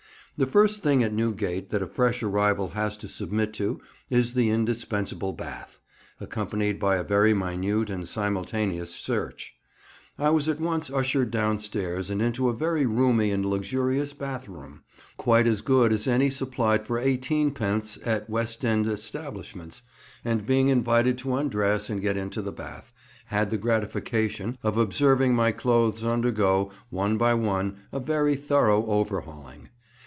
The first thing at Newgate that a fresh arrival has to submit to is the indispensable bath, accompanied by a very minute and simultaneous search. I was at once ushered downstairs and into a very roomy and luxurious bath room, quite as good as any supplied for eighteenpence at West End establishments, and being invited to undress and get into the bath, had the gratification of observing my clothes undergo, one by one, a very thorough overhauling.